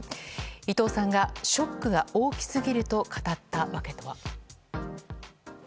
伊藤さんが、ショックが大きすぎると語ったわけとは。